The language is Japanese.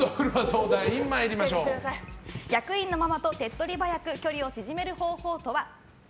役員のママと手っ取り早く距離を縮める方法とは？